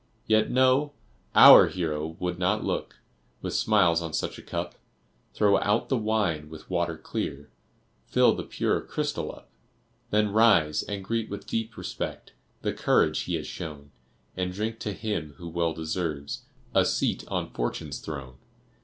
Yet, no our hero would not look With smiles on such a cup; Throw out the wine with water clear, Fill the pure crystal up. Then rise, and greet with deep respect, The courage he has shown, And drink to him who well deserves A seat on Fortune's throne.